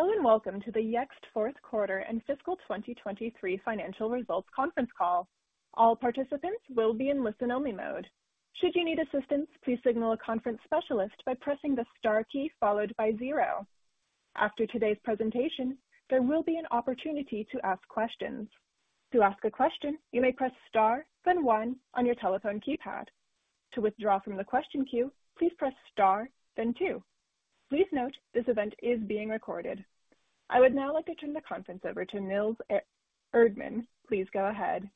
Hello, and welcome to the Yext fourth quarter and fiscal 2023 financial results conference call. All participants will be in listen-only mode. Should you need assistance, please signal a conference specialist by pressing the star key followed by zero. After today's presentation, there will be an opportunity to ask questions. To ask a question, you may press star, then one on your telephone keypad. To withdraw from the question queue, please press star, then two. Please note this event is being recorded. I would now like to turn the conference over to Nils Erdmann. Please go ahead.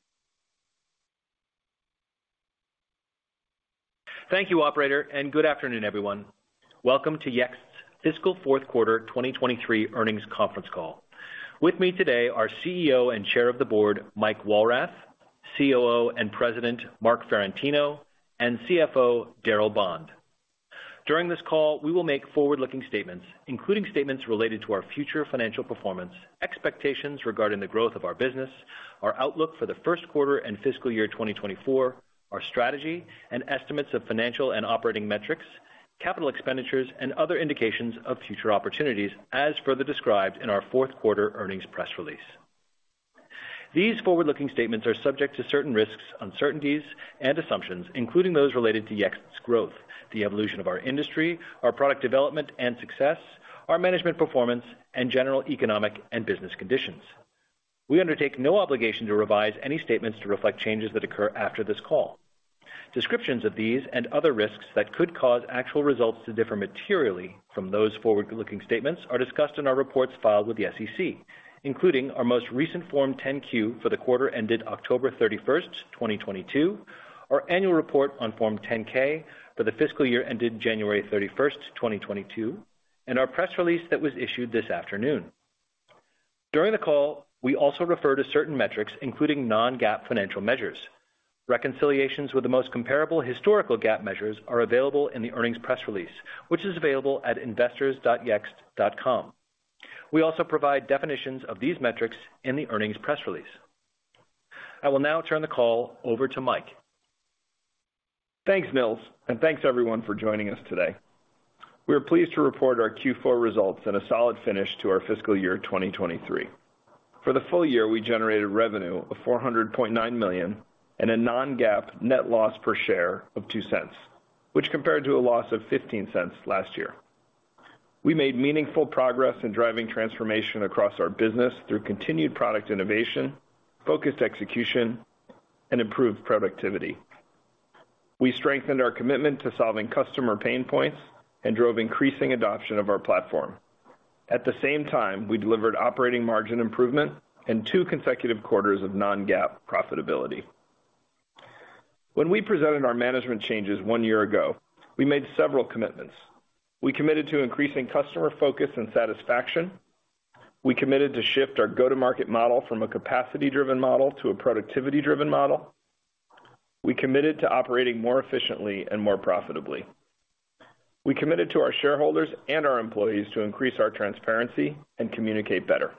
Thank you, operator. Good afternoon, everyone. Welcome to Yext's fiscal 4th quarter 2023 earnings conference call. With me today are CEO and Chair of the Board, Mike Walrath, COO and President, Marc Ferrentino, and CFO, Darryl Bond. During this call, we will make forward-looking statements, including statements related to our future financial performance, expectations regarding the growth of our business, our outlook for the 1st quarter and fiscal year 2024, our strategy and estimates of financial and operating metrics, capital expenditures, and other indications of future opportunities, as further described in our 4th quarter earnings press release. These forward-looking statements are subject to certain risks, uncertainties and assumptions, including those related to Yext's growth, the evolution of our industry, our product development and success, our management performance and general economic and business conditions. We undertake no obligation to revise any statements to reflect changes that occur after this call. Descriptions of these and other risks that could cause actual results to differ materially from those forward-looking statements are discussed in our reports filed with the SEC, including our most recent Form 10-Q for the quarter ended October 31, 2022, our annual report on Form 10-K for the fiscal year ended January 31, 2022, and our press release that was issued this afternoon. During the call, we also refer to certain metrics, including non-GAAP financial measures. Reconciliations with the most comparable historical GAAP measures are available in the earnings press release, which is available at investors.yext.com. We also provide definitions of these metrics in the earnings press release. I will now turn the call over to Mike. Thanks, Nils. Thanks everyone for joining us today. We are pleased to report our Q4 results and a solid finish to our fiscal year 2023. For the full year, we generated revenue of $400.9 million and a non-GAAP net loss per share of $0.02, which compared to a loss of $0.15 last year. We made meaningful progress in driving transformation across our business through continued product innovation, focused execution and improved productivity. We strengthened our commitment to solving customer pain points and drove increasing adoption of our platform. At the same time, we delivered operating margin improvement and two consecutive quarters of non-GAAP profitability. When we presented our management changes one year ago, we made several commitments. We committed to increasing customer focus and satisfaction. We committed to shift our go-to-market model from a capacity-driven model to a productivity-driven model. We committed to operating more efficiently and more profitably. We committed to our shareholders and our employees to increase our transparency and communicate better.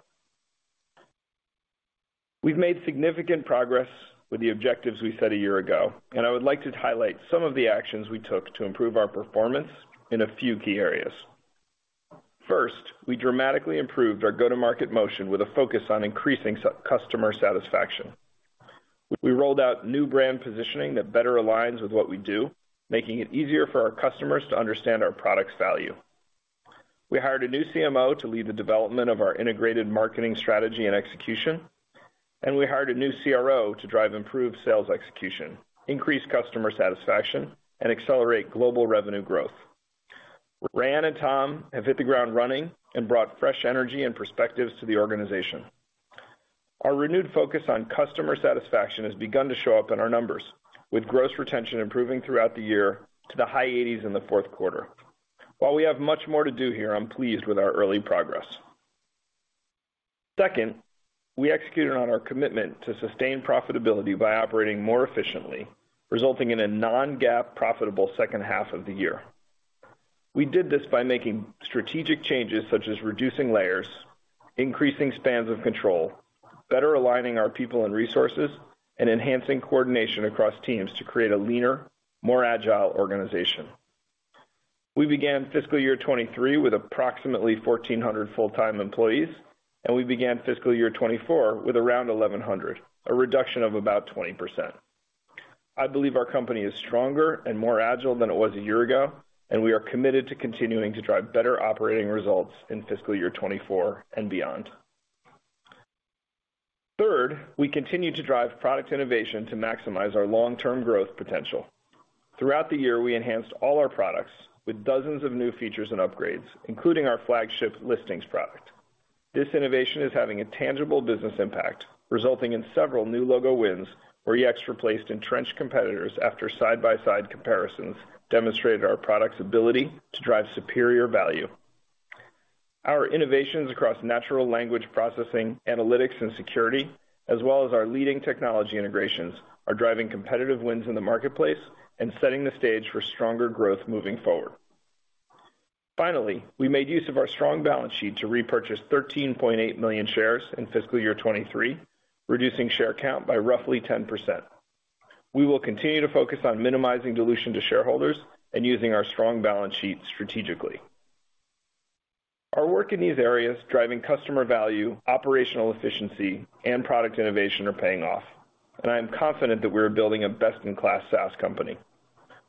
We've made significant progress with the objectives we set a year ago, and I would like to highlight some of the actions we took to improve our performance in a few key areas. First, we dramatically improved our go-to-market motion with a focus on increasing customer satisfaction. We rolled out new brand positioning that better aligns with what we do, making it easier for our customers to understand our product's value. We hired a new CMO to lead the development of our integrated marketing strategy and execution, and we hired a new CRO to drive improved sales execution, increase customer satisfaction and accelerate global revenue growth. Rand and Tom have hit the ground running and brought fresh energy and perspectives to the organization. Our renewed focus on customer satisfaction has begun to show up in our numbers, with gross retention improving throughout the year to the high 80s in the fourth quarter. While we have much more to do here, I'm pleased with our early progress. Second, we executed on our commitment to sustain profitability by operating more efficiently, resulting in a non-GAAP profitable second half of the year. We did this by making strategic changes such as reducing layers, increasing spans of control, better aligning our people and resources, and enhancing coordination across teams to create a leaner, more agile organization. We began fiscal year 2023 with approximately 1,400 full-time employees, and we began fiscal year 2024 with around 1,100, a reduction of about 20%. I believe our company is stronger and more agile than it was a year ago, and we are committed to continuing to drive better operating results in fiscal year 2024 and beyond. Third, we continue to drive product innovation to maximize our long-term growth potential. Throughout the year, we enhanced all our products with dozens of new features and upgrades, including our flagship listings product. This innovation is having a tangible business impact, resulting in several new logo wins where Yext replaced entrenched competitors after side-by-side comparisons demonstrated our product's ability to drive superior value. Our innovations across natural language processing, analytics and security, as well as our leading technology integrations, are driving competitive wins in the marketplace and setting the stage for stronger growth moving forward. Finally, we made use of our strong balance sheet to repurchase $13.8 million shares in fiscal year 2023, reducing share count by roughly 10%. We will continue to focus on minimizing dilution to shareholders and using our strong balance sheet strategically. Our work in these areas, driving customer value, operational efficiency, and product innovation are paying off, and I am confident that we are building a best-in-class SaaS company.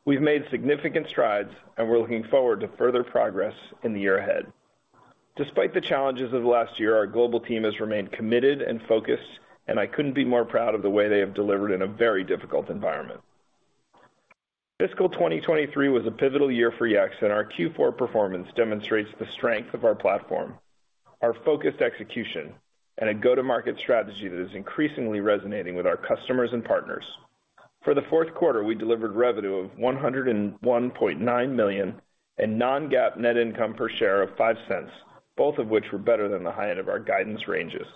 We've made significant strides, and we're looking forward to further progress in the year ahead. Despite the challenges of last year, our global team has remained committed and focused, and I couldn't be more proud of the way they have delivered in a very difficult environment. Fiscal 2023 was a pivotal year for Yext, our Q4 performance demonstrates the strength of our platform, our focused execution, and a go-to-market strategy that is increasingly resonating with our customers and partners. For the fourth quarter, we delivered revenue of $101.9 million and non-GAAP net income per share of $0.05, both of which were better than the high end of our guidance ranges.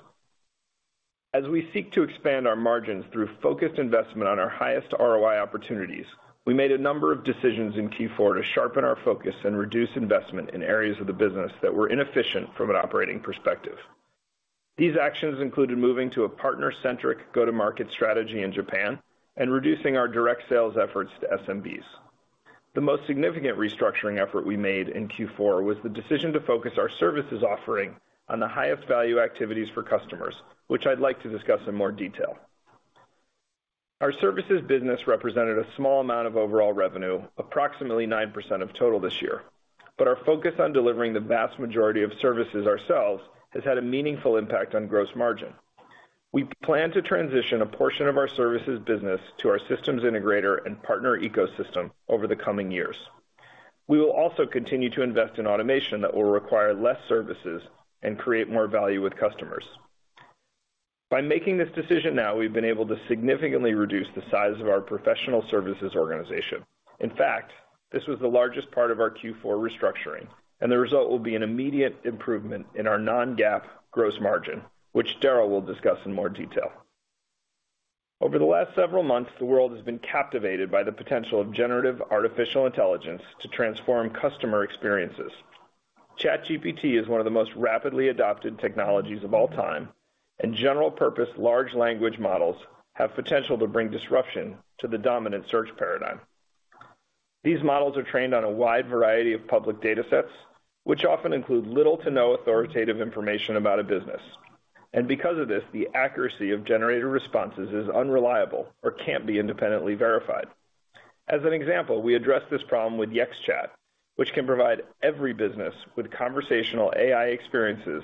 As we seek to expand our margins through focused investment on our highest ROI opportunities, we made a number of decisions in Q4 to sharpen our focus and reduce investment in areas of the business that were inefficient from an operating perspective. These actions included moving to a partner-centric go-to-market strategy in Japan and reducing our direct sales efforts to SMBs. The most significant restructuring effort we made in Q4 was the decision to focus our services offering on the highest value activities for customers, which I'd like to discuss in more detail. Our services business represented a small amount of overall revenue, approximately 9% of total this year. Our focus on delivering the vast majority of services ourselves has had a meaningful impact on gross margin. We plan to transition a portion of our services business to our systems integrator and partner ecosystem over the coming years. We will also continue to invest in automation that will require less services and create more value with customers. By making this decision now, we've been able to significantly reduce the size of our professional services organization. In fact, this was the largest part of our Q4 restructuring, and the result will be an immediate improvement in our non-GAAP gross margin, which Daryl will discuss in more detail. Over the last several months, the world has been captivated by the potential of generative artificial intelligence to transform customer experiences. ChatGPT is one of the most rapidly adopted technologies of all time. General-purpose large language models have potential to bring disruption to the dominant search paradigm. These models are trained on a wide variety of public datasets, which often include little to no authoritative information about a business. Because of this, the accuracy of generated responses is unreliable or can't be independently verified. As an example, we address this problem with Yext Chat, which can provide every business with conversational AI experiences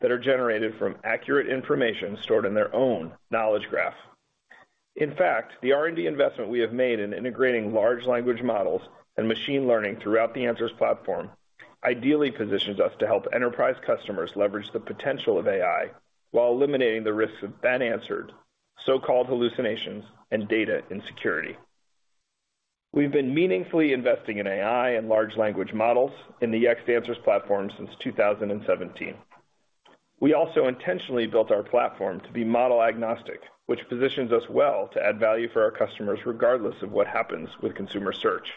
that are generated from accurate information stored in their own Knowledge Graph. In fact, the R&D investment we have made in integrating large language models and machine learning throughout the Answers Platform ideally positions us to help enterprise customers leverage the potential of AI while eliminating the risks of bad answered, so-called hallucinations, and data insecurity. We've been meaningfully investing in AI and large language models in the Yext Answers Platform since 2017. We also intentionally built our platform to be model agnostic, which positions us well to add value for our customers regardless of what happens with consumer search.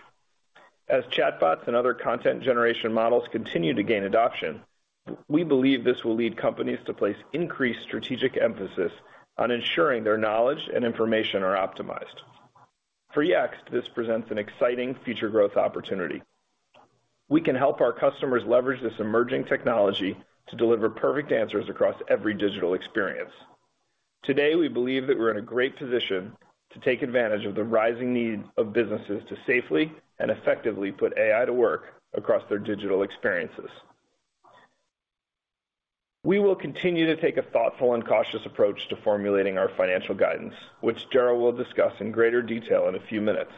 As chatbots and other Content Generation models continue to gain adoption, we believe this will lead companies to place increased strategic emphasis on ensuring their knowledge and information are optimized. For Yext, this presents an exciting future growth opportunity. We can help our customers leverage this emerging technology to deliver perfect answers across every digital experience. Today, we believe that we're in a great position to take advantage of the rising need of businesses to safely and effectively put AI to work across their digital experiences. We will continue to take a thoughtful and cautious approach to formulating our financial guidance, which Daryl will discuss in greater detail in a few minutes.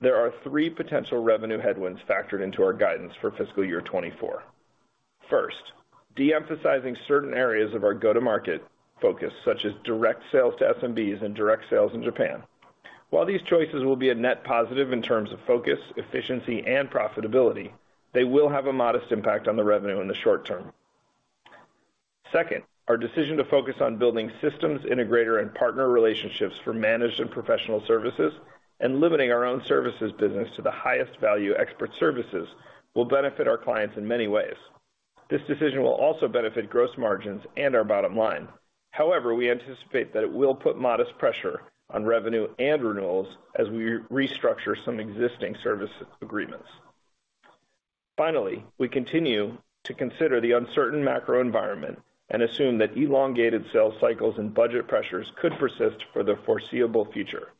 There are three potential revenue headwinds factored into our guidance for fiscal year 2024. First, de-emphasizing certain areas of our go-to-market focus, such as direct sales to SMBs and direct sales in Japan. While these choices will be a net positive in terms of focus, efficiency, and profitability, they will have a modest impact on the revenue in the short term. Second, our decision to focus on building systems integrator and partner relationships for managed and professional services and limiting our own services business to the highest value expert services will benefit our clients in many ways. This decision will also benefit gross margins and our bottom line. However, we anticipate that it will put modest pressure on revenue and renewals as we re-restructure some existing service agreements. Finally, we continue to consider the uncertain macro environment and assume that elongated sales cycles and budget pressures could persist for the foreseeable future.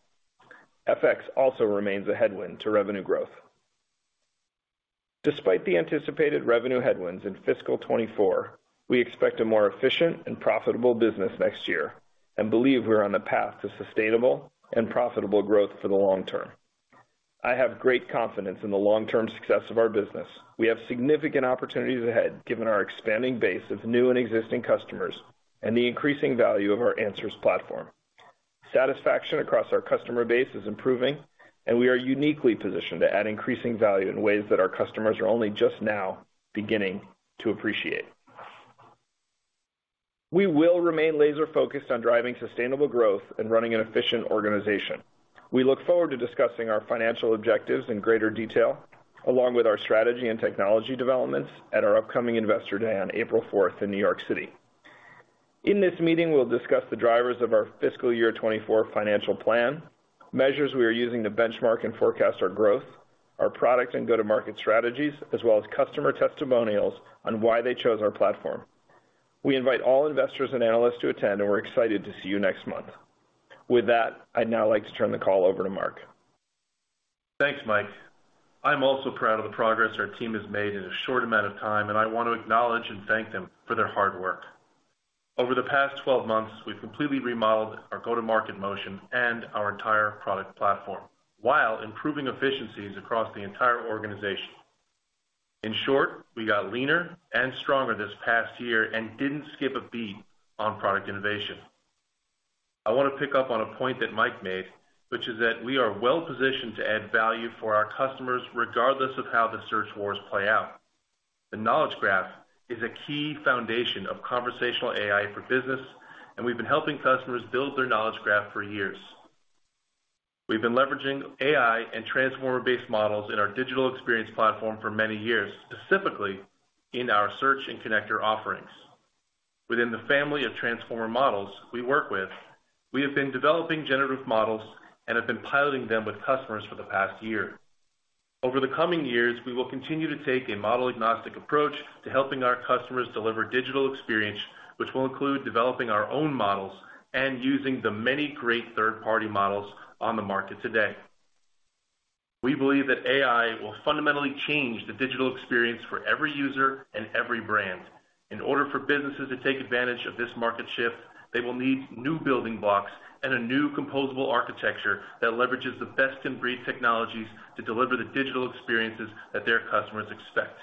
FX also remains a headwind to revenue growth. Despite the anticipated revenue headwinds in fiscal 2024, we expect a more efficient and profitable business next year and believe we're on the path to sustainable and profitable growth for the long term. I have great confidence in the long-term success of our business. We have significant opportunities ahead, given our expanding base of new and existing customers and the increasing value of our Answers Platform. Satisfaction across our customer base is improving, and we are uniquely positioned to add increasing value in ways that our customers are only just now beginning to appreciate. We will remain laser-focused on driving sustainable growth and running an efficient organization. We look forward to discussing our financial objectives in greater detail, along with our strategy and technology developments at our upcoming Investor Day on April 4th in New York City. In this meeting, we'll discuss the drivers of our fiscal year 24 financial plan, measures we are using to benchmark and forecast our growth, our products and go-to-market strategies, as well as customer testimonials on why they chose our platform. We invite all investors and analysts to attend, and we're excited to see you next month. With that, I'd now like to turn the call over to Marc. Thanks, Mike. I'm also proud of the progress our team has made in a short amount of time, and I want to acknowledge and thank them for their hard work. Over the past 12 months, we've completely remodeled our go-to-market motion and our entire product platform while improving efficiencies across the entire organization. In short, we got leaner and stronger this past year and didn't skip a beat on product innovation. I wanna pick up on a point that Mike made, which is that we are well-positioned to add value for our customers regardless of how the search wars play out. The Knowledge Graph is a key foundation of conversational AI for business, and we've been helping customers build their Knowledge Graph for years. We've been leveraging AI and transformer-based models in our digital experience platform for many years, specifically in our search and connector offerings. Within the family of transformer models we work with, we have been developing generative models and have been piloting them with customers for the past year. Over the coming years, we will continue to take a model-agnostic approach to helping our customers deliver digital experience, which will include developing our own models and using the many great third-party models on the market today. We believe that AI will fundamentally change the digital experience for every user and every brand. In order for businesses to take advantage of this market shift, they will need new building blocks and a new composable architecture that leverages the best-in-breed technologies to deliver the digital experiences that their customers expect.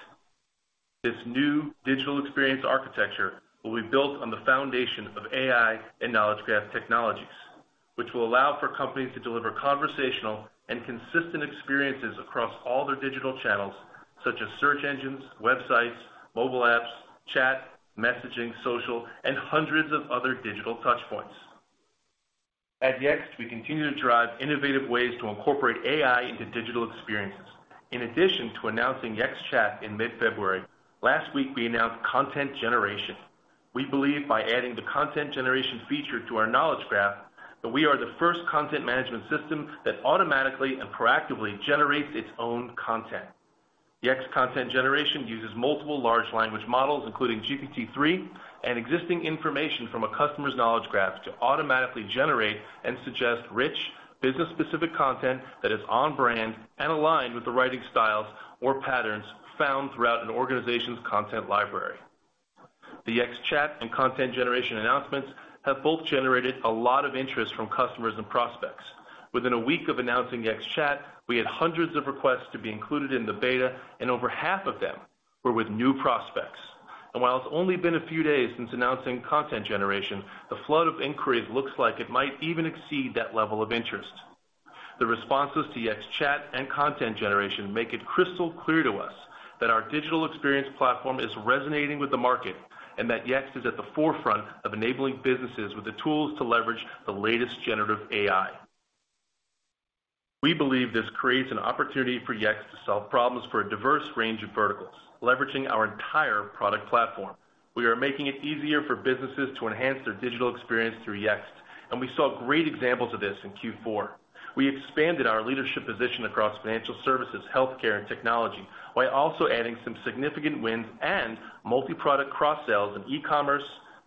This new digital experience architecture will be built on the foundation of AI and knowledge graph technologies, which will allow for companies to deliver conversational and consistent experiences across all their digital channels such as search engines, websites, mobile apps, chat, messaging, social, and hundreds of other digital touchpoints. At Yext, we continue to drive innovative ways to incorporate AI into digital experiences. In addition to announcing Yext Chat in mid-February, last week we announced Content Generation. We believe by adding the Content Generation feature to our Knowledge Graph, that we are the first content management system that automatically and proactively generates its own content. Yext Content Generation uses multiple large language models, including GPT-3 and existing information from a customer's knowledge graph to automatically generate and suggest rich, business-specific content that is on-brand and aligned with the writing styles or patterns found throughout an organization's content library. The Yext Chat and Content Generation announcements have both generated a lot of interest from customers and prospects. Within a week of announcing Yext Chat, we had hundreds of requests to be included in the beta, over half of them were with new prospects. While it's only been a few days since announcing Content Generation, the flood of inquiries looks like it might even exceed that level of interest. The responses to Yext Chat and Content Generation make it crystal clear to us that our digital experience platform is resonating with the market, and that Yext is at the forefront of enabling businesses with the tools to leverage the latest generative AI. We believe this creates an opportunity for Yext to solve problems for a diverse range of verticals, leveraging our entire product platform. We are making it easier for businesses to enhance their digital experience through Yext. We saw great examples of this in Q4. We expanded our leadership position across financial services, healthcare, and technology while also adding some significant wins and multi-product cross-sales in e-commerce,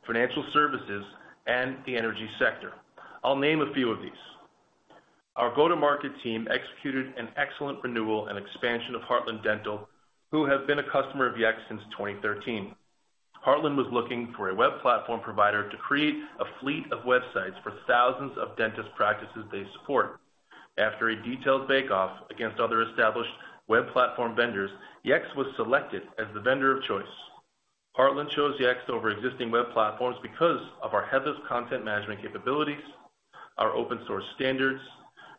financial services, and the energy sector. I'll name a few of these. Our go-to-market team executed an excellent renewal and expansion of Heartland Dental, who have been a customer of Yext since 2013. Heartland was looking for a web platform provider to create a fleet of websites for thousands of dentist practices they support. After a detailed bake-off against other established web platform vendors, Yext was selected as the vendor of choice. Heartland chose Yext over existing web platforms because of our headless content management capabilities, our open-source standards,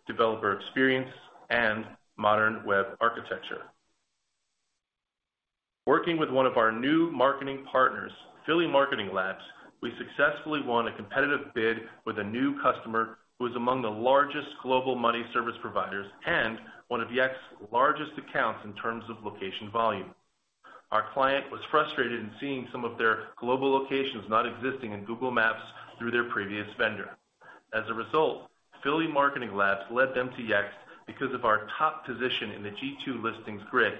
developer experience, and modern web architecture. Working with one of our new marketing partners, Philly Marketing Labs, we successfully won a competitive bid with a new customer who is among the largest global money service providers and one of Yext's largest accounts in terms of location volume. Our client was frustrated in seeing some of their global locations not existing in Google Maps through their previous vendor. As a result, Philly Marketing Labs led them to Yext because of our top position in the G2 listings grid.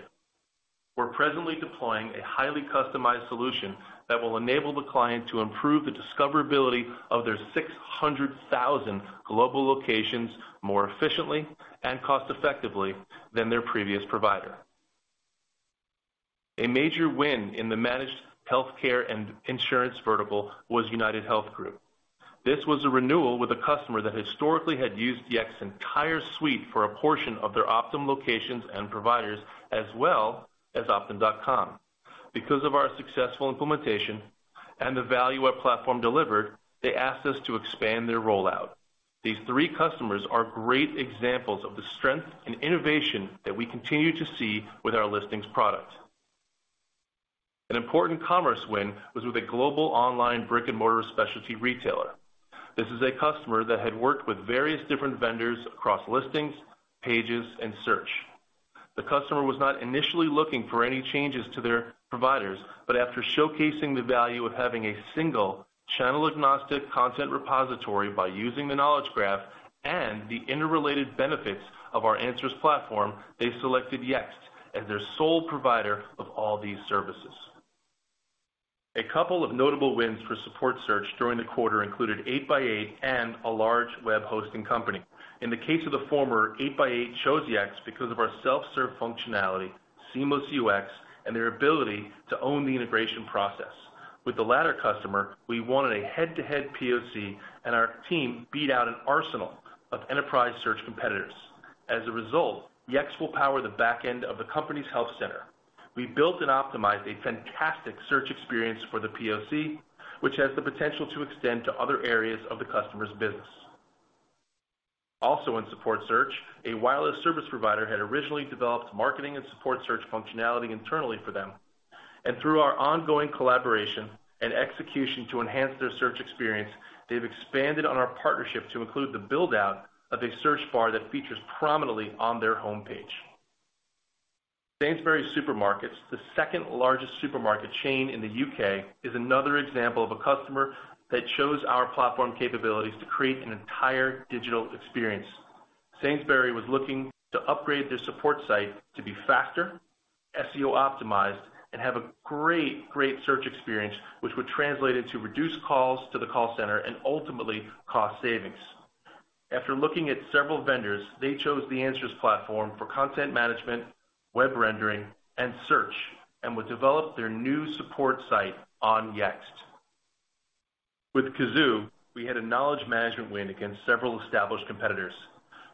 We're presently deploying a highly customized solution that will enable the client to improve the discoverability of their 600,000 global locations more efficiently and cost-effectively than their previous provider. A major win in the managed healthcare and insurance vertical was UnitedHealth Group. This was a renewal with a customer that historically had used Yext's entire suite for a portion of their Optum locations and providers, as well as Optum.com. Because of our successful implementation and the value our platform delivered, they asked us to expand their rollout. These three customers are great examples of the strength and innovation that we continue to see with our Listings product. An important commerce win was with a global online brick-and-mortar specialty retailer. This is a customer that had worked with various different vendors across listings, pages, and search. The customer was not initially looking for any changes to their providers, but after showcasing the value of having a single channel-agnostic content repository by using the Knowledge Graph and the interrelated benefits of our Answers Platform, they selected Yext as their sole provider of all these services. A couple of notable wins for support search during the quarter included 8x8 and a large web hosting company. In the case of the former, 8x8 chose Yext because of our self-serve functionality, seamless UX, and their ability to own the integration process. With the latter customer, we wanted a head-to-head POC, and our team beat out an arsenal of enterprise search competitors. As a result, Yext will power the back end of the company's health center. We built and optimized a fantastic search experience for the POC, which has the potential to extend to other areas of the customer's business. Also in support search, a wireless service provider had originally developed marketing and support search functionality internally for them. Through our ongoing collaboration and execution to enhance their search experience, they've expanded on our partnership to include the build-out of a search bar that features prominently on their homepage. Sainsbury's Supermarkets, the second-largest supermarket chain in the U.K., is another example of a customer that chose our platform capabilities to create an entire digital experience. Sainsbury's was looking to upgrade their support site to be faster, SEO-optimized, and have a great search experience, which would translate into reduced calls to the call center and ultimately cost savings. After looking at several vendors, they chose the Answers Platform for content management, web rendering, and search, and would develop their new support site on Yext. With Kazoo, we had a knowledge management win against several established competitors.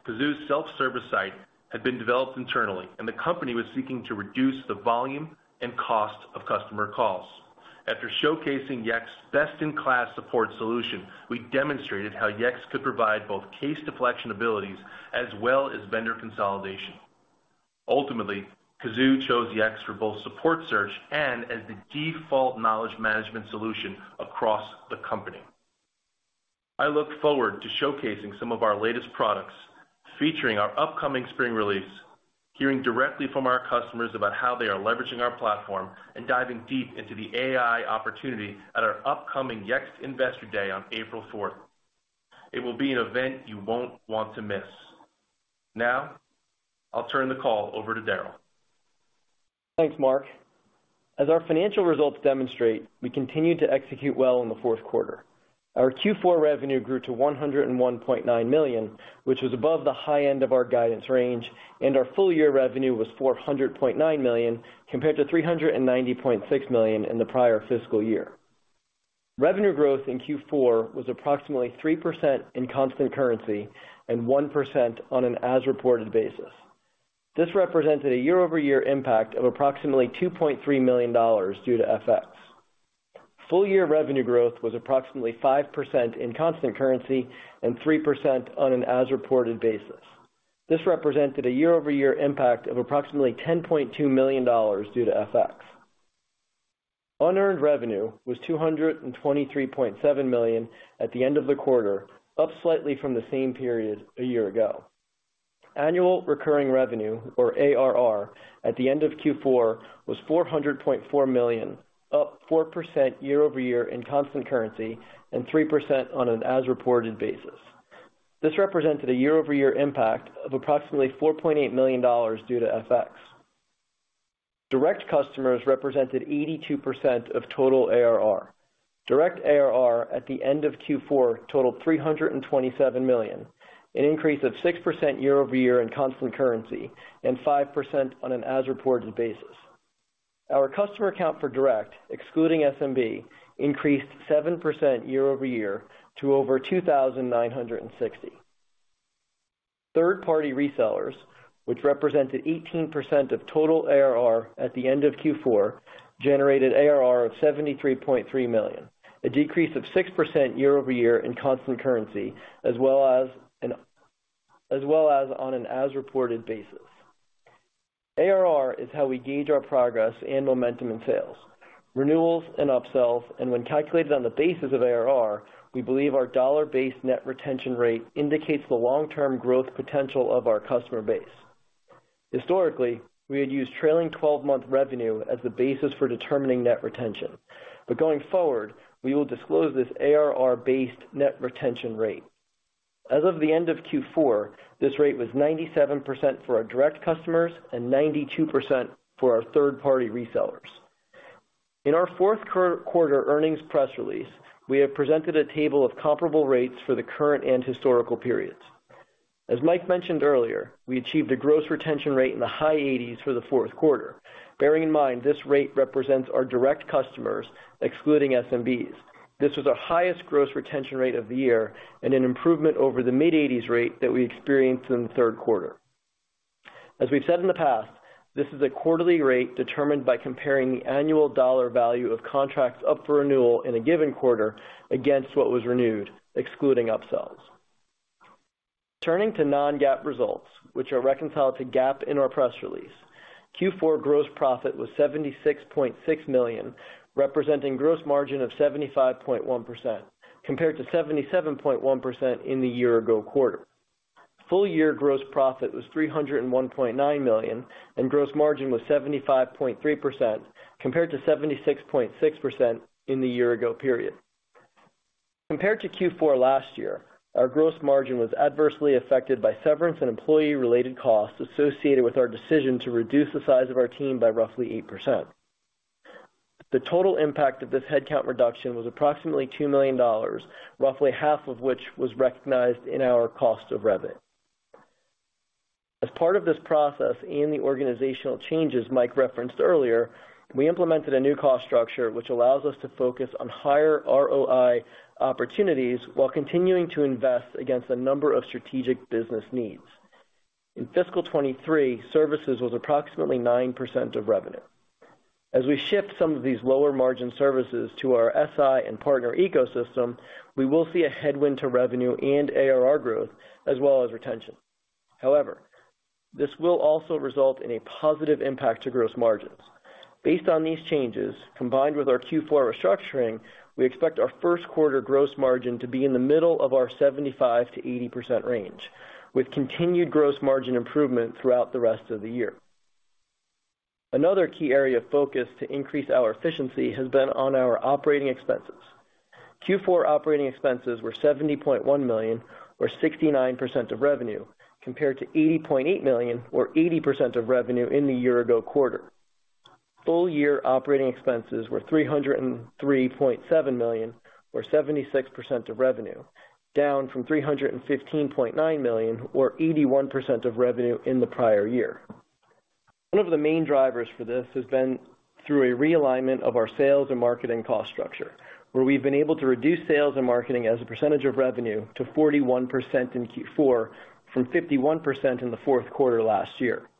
Kazoo's self-service site had been developed internally, and the company was seeking to reduce the volume and cost of customer calls. After showcasing Yext's best-in-class support solution, we demonstrated how Yext could provide both case deflection abilities as well as vendor consolidation. Ultimately, Kazoo chose Yext for both support search and as the default knowledge management solution across the company. I look forward to showcasing some of our latest products, featuring our upcoming spring release, hearing directly from our customers about how they are leveraging our platform, and diving deep into the AI opportunity at our upcoming Yext Investor Day on April 4th. It will be an event you won't want to miss. Now, I'll turn the call over to Darryl. Thanks, Marc. As our financial results demonstrate, we continue to execute well in the fourth quarter. Our Q4 revenue grew to $101.9 million, which was above the high end of our guidance range, and our full-year revenue was $400.9 million, compared to $390.6 million in the prior fiscal year. Revenue growth in Q4 was approximately 3% in constant currency and 1% on an as-reported basis. This represented a year-over-year impact of approximately $2.3 million due to FX. Full-year revenue growth was approximately 5% in constant currency and 3% on an as-reported basis. This represented a year-over-year impact of approximately $10.2 million due to FX. Unearned revenue was $223.7 million at the end of the quarter, up slightly from the same period a year ago. Annual recurring revenue, or ARR, at the end of Q4 was $400.4 million, up 4% year-over-year in constant currency and 3% on an as-reported basis. This represented a year-over-year impact of approximately $4.8 million due to FX. Direct customers represented 82% of total ARR. Direct ARR at the end of Q4 totaled $327 million, an increase of 6% year-over-year in constant currency and 5% on an as-reported basis. Our customer count for direct, excluding SMB, increased 7% year-over-year to over 2,960. Third-party resellers, which represented 18% of total ARR at the end of Q4, generated ARR of $73.3 million, a decrease of 6% year-over-year in constant currency as well as on an as-reported basis. ARR is how we gauge our progress and momentum in sales. Renewals and upsells when calculated on the basis of ARR, we believe our dollar-based net retention rate indicates the long-term growth potential of our customer base. Historically, we had used trailing 12-month revenue as the basis for determining net retention. Going forward, we will disclose this ARR-based net retention rate. As of the end of Q4, this rate was 97% for our direct customers and 92% for our third-party resellers. In our fourth quarter earnings press release, we have presented a table of comparable rates for the current and historical periods. As Mike mentioned earlier, we achieved a gross retention rate in the high eighties for the fourth quarter. Bearing in mind, this rate represents our direct customers excluding SMBs. This was our highest gross retention rate of the year and an improvement over the mid-80s rate that we experienced in the third quarter. As we've said in the past, this is a quarterly rate determined by comparing the annual dollar value of contracts up for renewal in a given quarter against what was renewed, excluding upsells. Turning to non-GAAP results, which are reconciled to GAAP in our press release. Q4 gross profit was $76.6 million, representing gross margin of 75.1% compared to 77.1% in the year ago quarter. Full year gross profit was $301.9 million, gross margin was 75.3% compared to 76.6% in the year-ago period. Compared to Q4 last year, our gross margin was adversely affected by severance and employee-related costs associated with our decision to reduce the size of our team by roughly 8%. The total impact of this headcount reduction was approximately $2 million, roughly half of which was recognized in our cost of revenue. As part of this process and the organizational changes Mike referenced earlier, we implemented a new cost structure which allows us to focus on higher ROI opportunities while continuing to invest against a number of strategic business needs. In fiscal 2023, services was approximately 9% of revenue. As we shift some of these lower margin services to our SI and partner ecosystem, we will see a headwind to revenue and ARR growth as well as retention. This will also result in a positive impact to gross margins. Based on these changes, combined with our Q4 restructuring, we expect our first quarter gross margin to be in the middle of our 75%-80% range, with continued gross margin improvement throughout the rest of the year. Another key area of focus to increase our efficiency has been on our operating expenses. Q4 operating expenses were $70.1 million or 69% of revenue, compared to $80.8 million or 80% of revenue in the year ago quarter. Full-year operating expenses were $303.7 million or 76% of revenue, down from $315.9 million or 81% of revenue in the prior year. One of the main drivers for this has been through a realignment of our sales and marketing cost structure, where we've been able to reduce sales and marketing as a percentage of revenue to 41% in Q4 from 51% in the fourth quarter last year.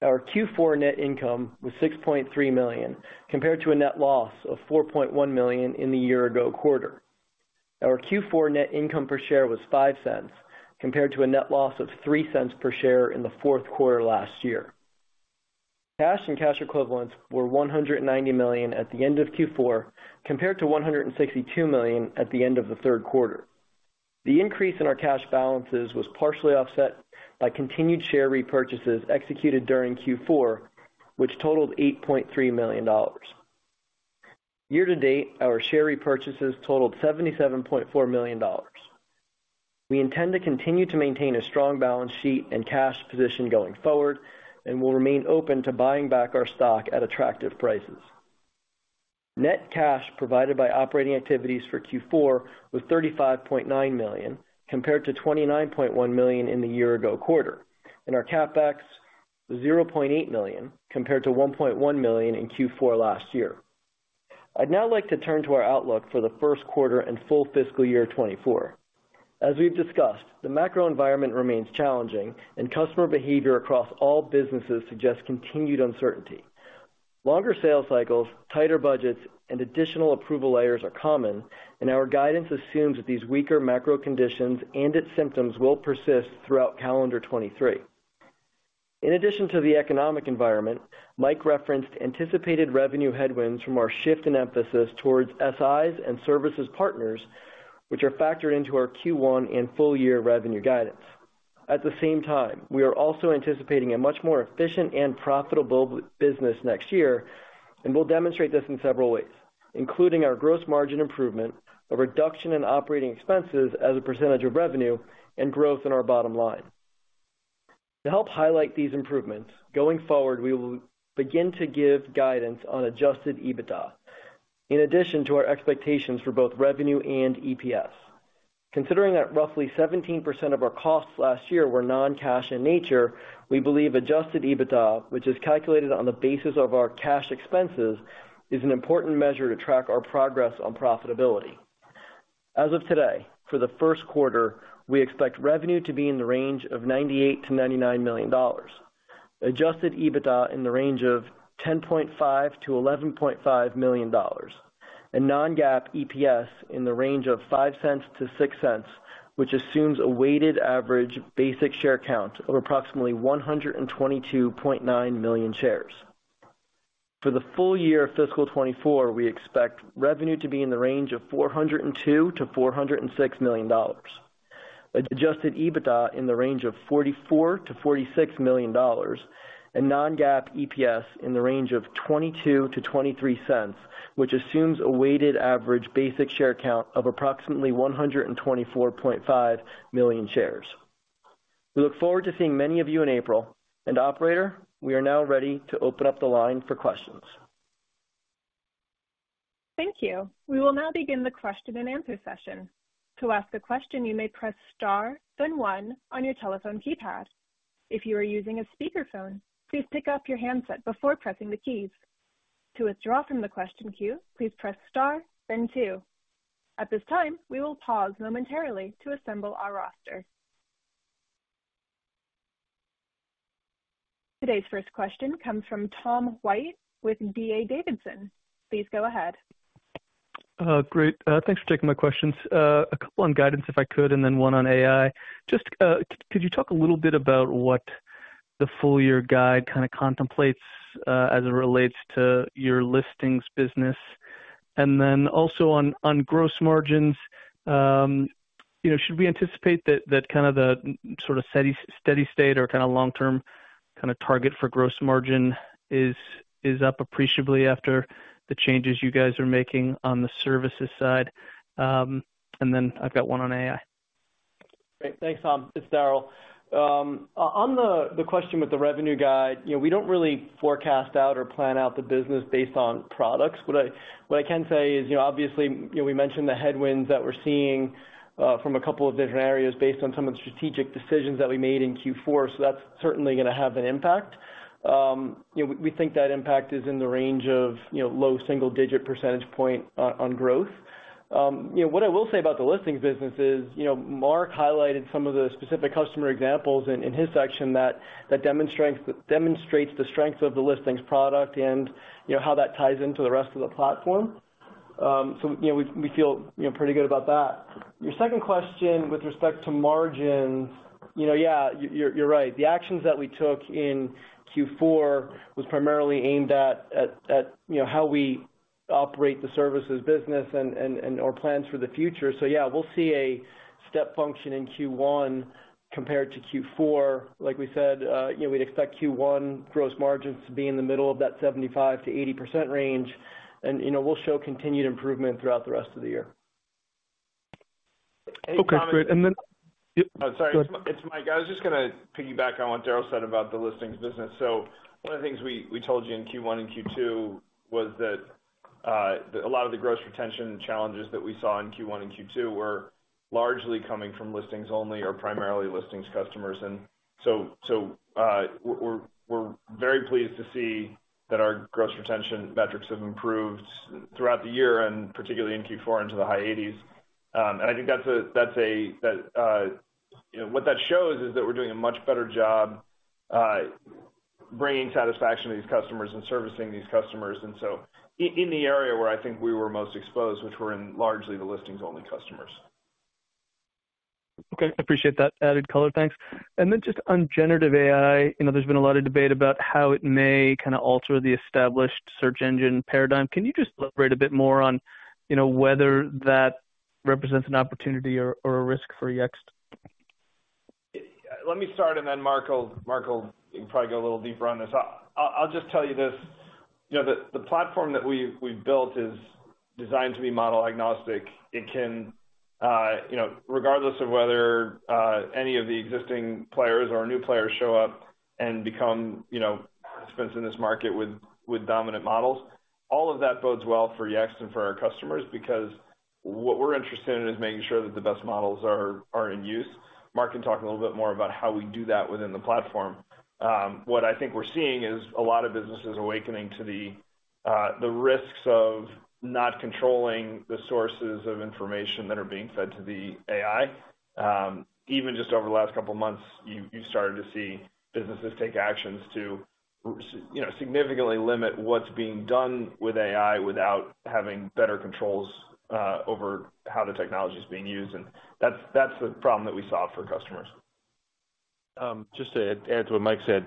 Our Q4 net income was $6.3 million, compared to a net loss of $4.1 million in the year ago quarter. Our Q4 net income per share was $0.05, compared to a net loss of $0.03 per share in the fourth quarter last year. Cash and cash equivalents were $190 million at the end of Q4, compared to $162 million at the end of the third quarter. The increase in our cash balances was partially offset by continued share repurchases executed during Q4, which totaled $8.3 million. Year to date, our share repurchases totaled $77.4 million. We intend to continue to maintain a strong balance sheet and cash position going forward and will remain open to buying back our stock at attractive prices. Net cash provided by operating activities for Q4 was $35.9 million, compared to $29.1 million in the year ago quarter, and our CapEx was $0.8 million, compared to $1.1 million in Q4 last year. I'd now like to turn to our outlook for the first quarter and full fiscal year 2024. As we've discussed, the macro environment remains challenging, customer behavior across all businesses suggests continued uncertainty. Longer sales cycles, tighter budgets, and additional approval layers are common, our guidance assumes that these weaker macro conditions and its symptoms will persist throughout calendar 2023. In addition to the economic environment, Mike referenced anticipated revenue headwinds from our shift in emphasis towards SIs and services partners, which are factored into our Q1 and full year revenue guidance. At the same time, we are also anticipating a much more efficient and profitable business next year, we'll demonstrate this in several ways, including our gross margin improvement, a reduction in operating expenses as a percentage of revenue, and growth in our bottom line. To help highlight these improvements, going forward, we will begin to give guidance on adjusted EBITDA, in addition to our expectations for both revenue and EPS. Considering that roughly 17% of our costs last year were non-cash in nature, we believe adjusted EBITDA, which is calculated on the basis of our cash expenses, is an important measure to track our progress on profitability. As of today, for the first quarter, we expect revenue to be in the range of $98 million-$99 million, adjusted EBITDA in the range of $10.5 million-$11.5 million, and non-GAAP EPS in the range of $0.05-$0.06, which assumes a weighted average basic share count of approximately 122.9 million shares. For the full year of fiscal 2024, we expect revenue to be in the range of $402 million-$406 million, adjusted EBITDA in the range of $44 million-$46 million, and non-GAAP EPS in the range of $0.22-$0.23, which assumes a weighted average basic share count of approximately 124.5 million shares. We look forward to seeing many of you in April. Operator, we are now ready to open up the line for questions. Thank you. We will now begin the question-and-answer session. To ask a question, you may press star, then one on your telephone keypad. If you are using a speakerphone, please pick up your handset before pressing the keys. To withdraw from the question queue, please press star, then two. At this time, we will pause momentarily to assemble our roster. Today's first question comes from Tom White with D.A. Davidson. Please go ahead. Great. Thanks for taking my questions. A couple on guidance, if I could, and then one on AI. Just, could you talk a little bit about what the full year guide kinda contemplates as it relates to your listings business? Then also on gross margins, you know, should we anticipate that kind of the sort of steady state or kinda long-term target for gross margin is up appreciably after the changes you guys are making on the services side? Then I've got one on AI. Great. Thanks, Tom. It's Darryl. On the question with the revenue guide, you know, we don't really forecast out or plan out the business based on products. What I can say is, you know, obviously, you know, we mentioned the headwinds that we're seeing from a couple of different areas based on some of the strategic decisions that we made in Q4. That's certainly gonna have an impact. You know, we think that impact is in the range of, you know, low single-digit percentage point on growth. You know, what I will say about the listings business is, you know, Marc highlighted some of the specific customer examples in his section that demonstrates the strength of the listings product and, you know, how that ties into the rest of the platform. You know, we feel, you know, pretty good about that. Your second question with respect to margins, you know, yeah, you're right. The actions that we took in Q4 was primarily aimed at, you know, how we operate the services business and our plans for the future. Yeah, we'll see a step function in Q1 compared to Q4. Like we said, you know, we'd expect Q1 gross margins to be in the middle of that 75%-80% range. You know, we'll show continued improvement throughout the rest of the year. Okay, great. Then. Yep, go ahead. Sorry. It's Mike. I was just gonna piggyback on what Darryl said about the listings business. One of the things we told you in Q1 and Q2 was that a lot of the gross retention challenges that we saw in Q1 and Q2 were largely coming from listings-only or primarily listings customers. We're very pleased to see that our gross retention metrics have improved throughout the year and particularly in Q4 into the high 80s. I think you know, what that shows is that we're doing a much better job bringing satisfaction to these customers and servicing these customers. In the area where I think we were most exposed, which were in largely the listings-only customers. Okay, appreciate that added color. Thanks. Just on generative AI, you know, there's been a lot of debate about how it may kinda alter the established search engine paradigm. Can you just elaborate a bit more on, you know, whether that represents an opportunity or a risk for Yext? Let me start, and then Marc will probably go a little deeper on this. I'll just tell you this, you know, the platform that we've built is designed to be model agnostic. It can, you know, regardless of whether any of the existing players or new players show up and become, you know, participants in this market with dominant models, all of that bodes well for Yext and for our customers, because what we're interested in is making sure that the best models are in use. Mark can talk a little bit more about how we do that within the platform. What I think we're seeing is a lot of businesses awakening to the risks of not controlling the sources of information that are being fed to the AI. Even just over the last couple months, you started to see businesses take actions to you know, significantly limit what's being done with AI without having better controls over how the technology is being used. That's a problem that we solve for customers. Just to add to what Mike said.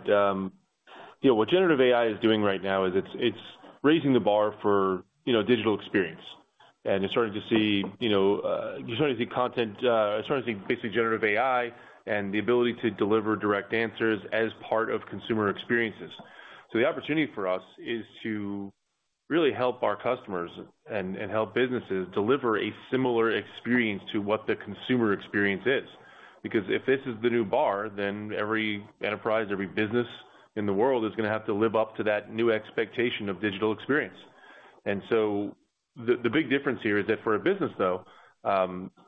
You know, what generative AI is doing right now is it's raising the bar for, you know, digital experience. You're starting to see, you know, you're starting to see content, you're starting to see basically generative AI and the ability to deliver direct answers as part of consumer experiences. The opportunity for us is to really help our customers and help businesses deliver a similar experience to what the consumer experience is. Because if this is the new bar, then every enterprise, every business in the world is gonna have to live up to that new expectation of digital experience. The big difference here is that for a business, though,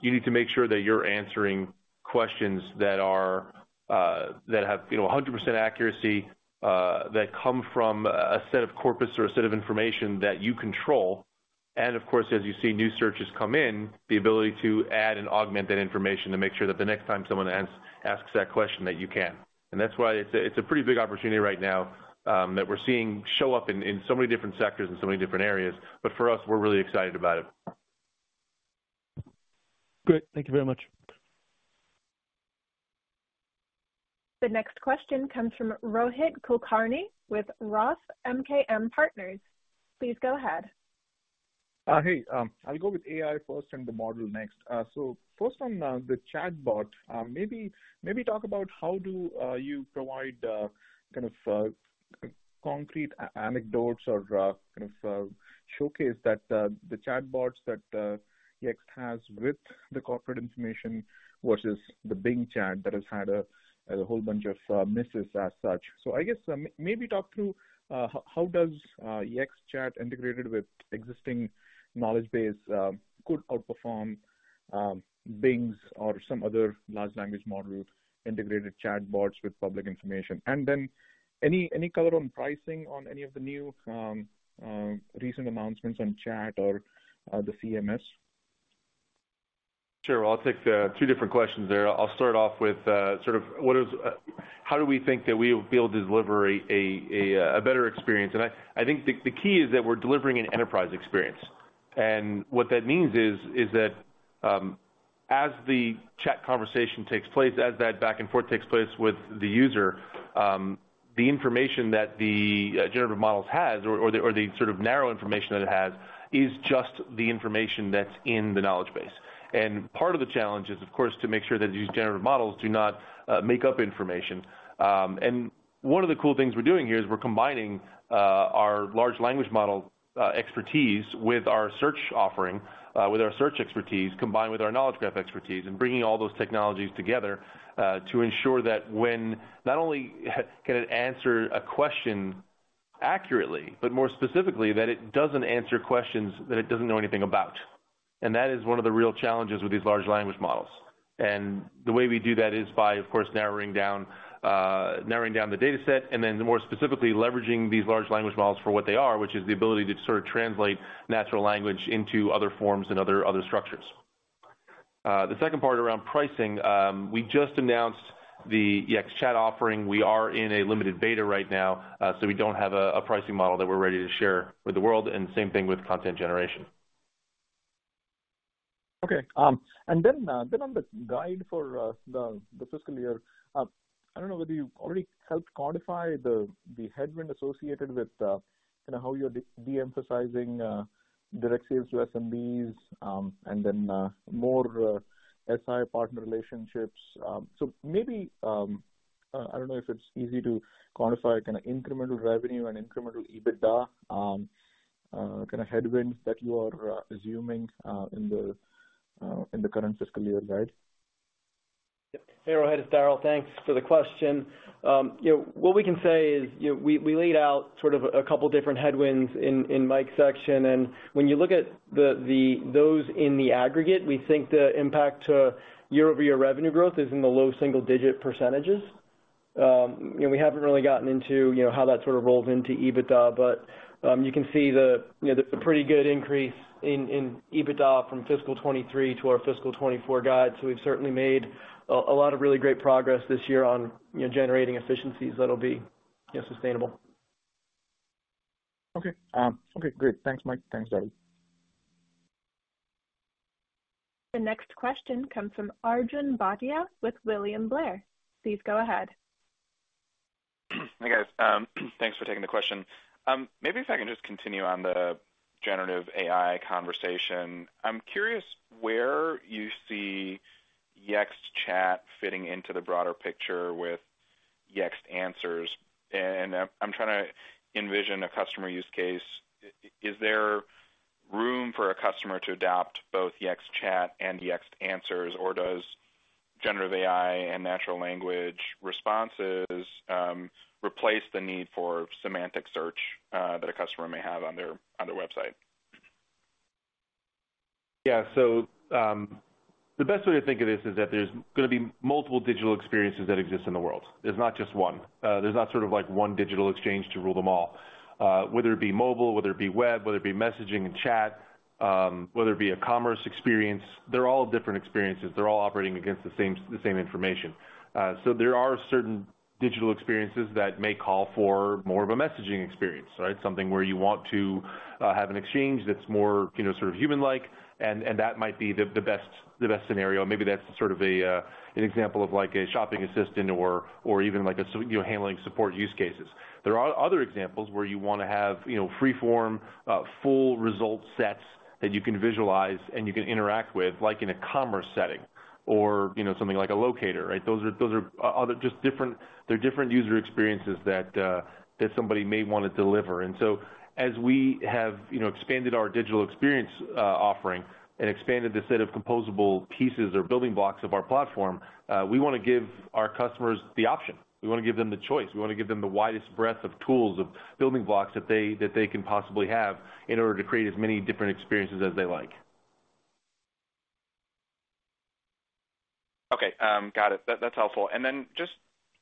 you need to make sure that you're answering questions that are, that have, you know, 100% accuracy, that come from a set of corpus or a set of information that you control. Of course, as you see new searches come in, the ability to add and augment that information to make sure that the next time someone asks that question that you can. That's why it's a, it's a pretty big opportunity right now, that we're seeing show up in so many different sectors and so many different areas. For us, we're really excited about it. Great. Thank you very much. The next question comes from Rohit Kulkarni with ROTH MKM Partners. Please go ahead. Hey. I'll go with AI first and the model next. First on the chatbot, maybe talk about how you provide concrete anecdotes or showcase that the chatbots that Yext has with the corporate information versus the Bing chat that has had a whole bunch of misses as such. I guess, maybe talk through how Yext Chat integrated with existing knowledge base could outperform Bing's or some other large language model integrated chatbots with public information. And then any color on pricing on any of the new recent announcements on chat or the CMS? Sure. Well, I'll take the two different questions there. I'll start off with, sort of what is how do we think that we will be able to deliver a better experience? I think the key is that we're delivering an enterprise experience. What that means is that, as the chat conversation takes place, as that back and forth takes place with the user, the information that the generative models has or the sort of narrow information that it has is just the information that's in the knowledge base. Part of the challenge is, of course, to make sure that these generative models do not make up information. One of the cool things we're doing here is we're combining our large language model expertise with our search offering, with our search expertise, combined with our Knowledge Graph expertise and bringing all those technologies together to ensure that when not only can it answer a question accurately, but more specifically, that it doesn't answer questions that it doesn't know anything about. That is one of the real challenges with these large language models. The way we do that is by, of course, narrowing down the dataset and then more specifically leveraging these large language models for what they are, which is the ability to sort of translate natural language into other forms and other structures. The second part around pricing, we just announced the Yext Chat offering. We are in a limited beta right now. We don't have a pricing model that we're ready to share with the world. Same thing with Content Generation. Okay. On the guide for the fiscal year, I don't know whether you've already helped quantify the headwind associated with, you know, how you're de-emphasizing direct sales to SMBs and more SI partner relationships. Maybe I don't know if it's easy to quantify kinda incremental revenue and incremental EBITDA kinda headwinds that you are assuming in the current fiscal year guide. Yeah. Hey, Rohit, it's Darryl. Thanks for the question. You know, what we can say is, you know, we laid out sort of a couple different headwinds in Mike's section. When you look at those in the aggregate, we think the impact to year-over-year revenue growth is in the low single-digit percentages. You know, we haven't really gotten into, you know, how that sort of rolls into EBITDA, but you can see the, you know, the pretty good increase in EBITDA from fiscal 2023 to our fiscal 2024 guide. We've certainly made a lot of really great progress this year on, you know, generating efficiencies that'll be, you know, sustainable. Okay. Okay, great. Thanks, Marc. Thanks, Darryl. The next question comes from Arjun Bhatia with William Blair. Please go ahead. Hi, guys. Thanks for taking the question. Maybe if I can just continue on the generative AI conversation. I'm curious where you see Yext Chat fitting into the broader picture with Yext Answers, and I'm trying to envision a customer use case. Is there room for a customer to adopt both Yext Chat and Yext Answers, or does generative AI and natural language responses replace the need for semantic search that a customer may have on their website? Yeah. The best way to think of this is that there's gonna be multiple digital experiences that exist in the world. There's not just one. There's not sort of like one digital exchange to rule them all. Whether it be mobile, whether it be web, whether it be messaging and chat, whether it be a commerce experience, they're all different experiences. They're all operating against the same information. There are certain digital experiences that may call for more of a messaging experience, right? Something where you want to have an exchange that's more, you know, sort of human-like and that might be the best, the best scenario. Maybe that's sort of a, an example of like a shopping assistant or even like a, you know, handling support use cases. There are other examples where you wanna have, you know, free form, full result sets that you can visualize and you can interact with, like in a commerce setting or, you know, something like a locator, right? Those are other just different user experiences that somebody may wanna deliver. As we have, you know, expanded our digital experience offering and expanded the set of composable pieces or building blocks of our platform, we wanna give our customers the option. We wanna give them the choice. We wanna give them the widest breadth of tools, of building blocks that they can possibly have in order to create as many different experiences as they like. Okay. Got it. That's helpful. Then just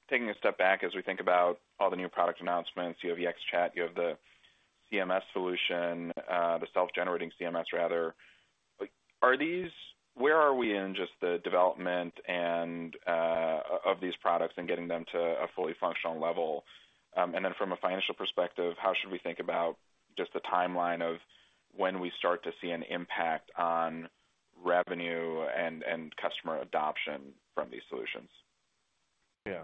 taking a step back as we think about all the new product announcements, you have Yext Chat, you have the CMS solution, the self-generating CMS rather. Like, where are we in just the development and of these products and getting them to a fully functional level? Then from a financial perspective, how should we think about just the timeline of when we start to see an impact on revenue and customer adoption from these solutions? Yeah.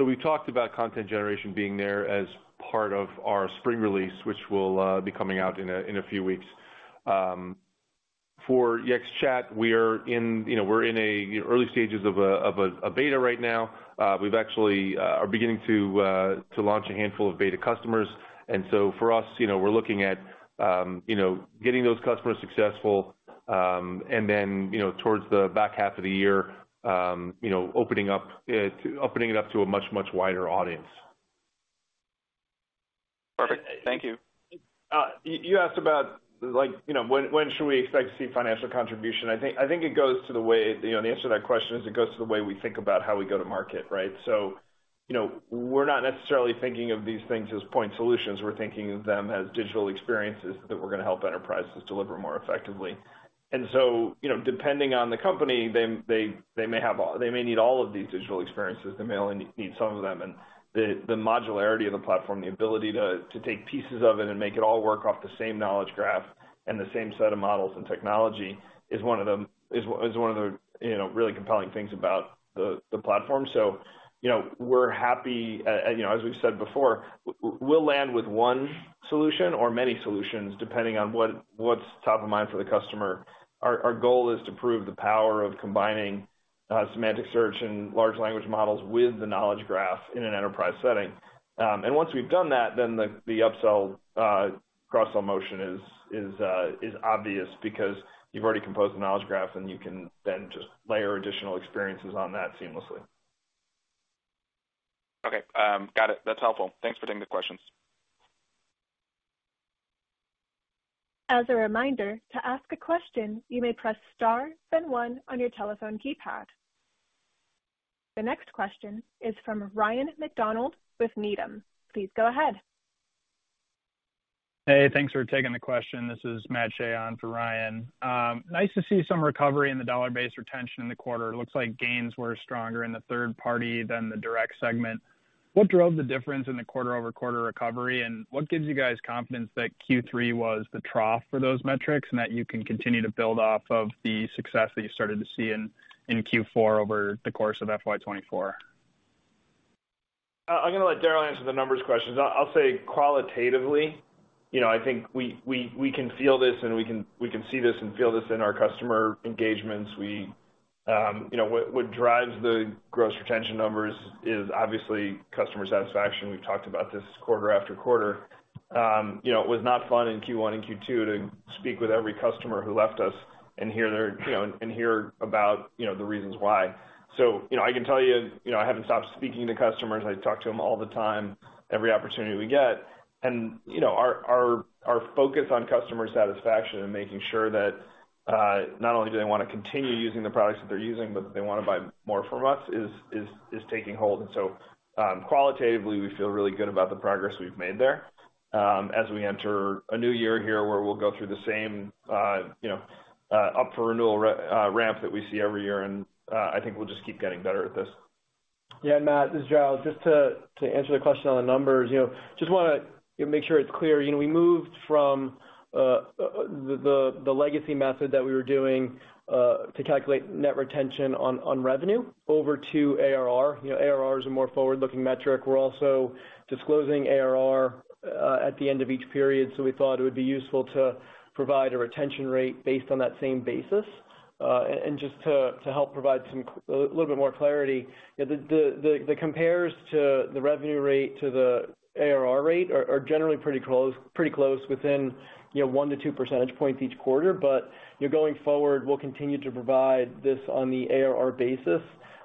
We talked about Content Generation being there as part of our spring release, which will be coming out in a few weeks. For Yext Chat, we're in, you know, we're in early stages of a beta right now. We've actually are beginning to launch a handful of beta customers. For us, you know, we're looking at, you know, getting those customers successful, and then, you know, towards the back half of the year, you know, opening it up to a much, much wider audience. Perfect. Thank you. You asked about, like, you know, when should we expect to see financial contribution? I think it goes to the way. You know, the answer to that question is it goes to the way we think about how we go to market, right? You know, we're not necessarily thinking of these things as point solutions. We're thinking of them as digital experiences that we're gonna help enterprises deliver more effectively. You know, depending on the company, they may need all of these digital experiences, they may only need some of them. The modularity of the platform, the ability to take pieces of it and make it all work off the same Knowledge Graph and the same set of models and technology is one of the, you know, really compelling things about the platform. You know, we're happy. You know, as we've said before, we'll land with one solution or many solutions, depending on what's top of mind for the customer. Our goal is to prove the power of combining semantic search and large language models with the Knowledge Graph in an enterprise setting. Once we've done that, then the upsell, cross-sell motion is obvious because you've already composed the Knowledge Graph. You can then just layer additional experiences on that seamlessly. Okay. got it. That's helpful. Thanks for taking the questions. As a reminder, to ask a question, you may press star then one on your telephone keypad. The next question is from Ryan McDonald with Needham. Please go ahead. Hey, thanks for taking the question. This is Matt Shea on for Ryan. Nice to see some recovery in the dollar-based retention in the quarter. It looks like gains were stronger in the third party than the direct segment. What drove the difference in the quarter-over-quarter recovery, what gives you guys confidence that Q3 was the trough for those metrics, and that you can continue to build off of the success that you started to see in Q4 over the course of FY 2024? I'm gonna let Darryl answer the numbers questions. I'll say qualitatively, you know, I think we can feel this and we can see this and feel this in our customer engagements. You know, what drives the gross retention numbers is obviously customer satisfaction. We've talked about this quarter after quarter. You know, it was not fun in Q1 and Q2 to speak with every customer who left us and hear their, you know, and hear about, you know, the reasons why. You know, I can tell you know, I haven't stopped speaking to customers. I talk to them all the time, every opportunity we get. You know, our focus on customer satisfaction and making sure that not only do they wanna continue using the products that they're using, but they wanna buy more from us is taking hold. Qualitatively, we feel really good about the progress we've made there, as we enter a new year here where we'll go through the same, you know, up for renewal ramp that we see every year. I think we'll just keep getting better at this. Yeah. Matt, this is Darryl. Just to answer the question on the numbers. You know, just wanna make sure it's clear. You know, we moved from the legacy method that we were doing to calculate net retention on revenue over to ARR. You know, ARR is a more forward-looking metric. We're also disclosing ARR at the end of each period. We thought it would be useful to provide a retention rate based on that same basis. Just to help provide a little bit more clarity. You know, the compares to the revenue rate to the ARR rate are generally pretty close within, you know, one-two percentage points each quarter. You know, going forward, we'll continue to provide this on the ARR basis,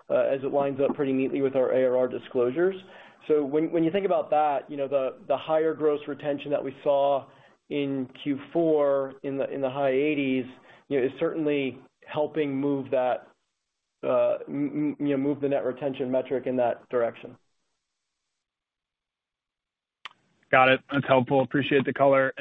as it lines up pretty neatly with our ARR disclosures. When you think about that, you know, the higher gross retention that we saw in Q4 in the high eighties, you know, is certainly helping move that, you know, move the net retention metric in that direction. Got it. That's helpful. Appreciate the color.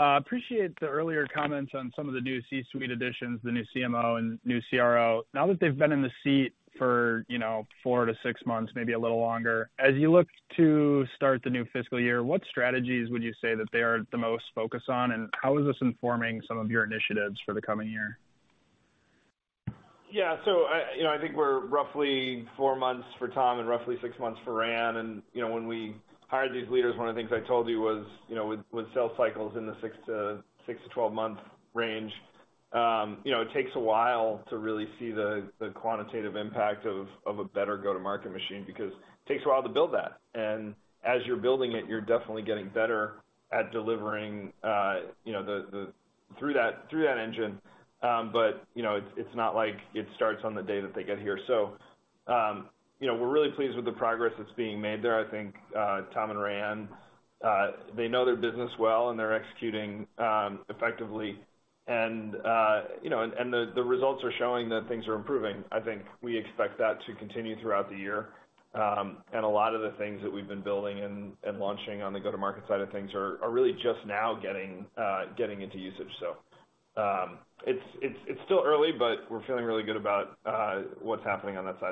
Appreciate the earlier comments on some of the new C-suite additions, the new CMO and new CRO. Now that they've been in the seat for, you know, four-six months, maybe a little longer, as you look to start the new fiscal year, what strategies would you say that they are the most focused on, and how is this informing some of your initiatives for the coming year? Yeah. I, you know, I think we're roughly four months for Tom and roughly six months for Ran. You know, when we hired these leaders, one of the things I told you was, you know, with sales cycles in the six-12 month range, you know, it takes a while to really see the quantitative impact of a better go-to-market machine because it takes a while to build that. As you're building it, you're definitely getting better at delivering, you know, through that, through that engine. You know, it's not like it starts on the day that they get here. You know, we're really pleased with the progress that's being made there. I think Tom and Ran, they know their business well, and they're executing effectively. You know, and the results are showing that things are improving. I think we expect that to continue throughout the year. A lot of the things that we've been building and launching on the go-to-market side of things are really just now getting into usage. It's still early, but we're feeling really good about what's happening on that side.